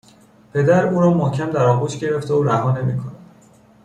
پدر او را محکم در آغوش گرفته و رها نمیکند